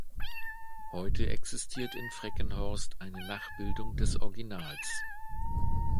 Heute existiert in Freckenhorst eine Nachbildung des Originals.